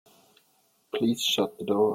Please shut the door.